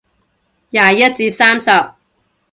廿一至三十